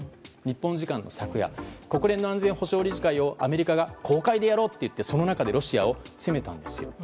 日本時間の昨夜国連の安全保障理事会をアメリカが公開でやろうとその中でロシアを責めたんです。